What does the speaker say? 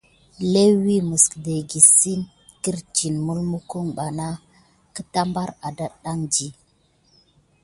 Léwi mis gəldada sit kirti mimeko keta bana bar adati.